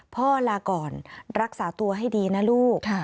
ลาก่อนรักษาตัวให้ดีนะลูก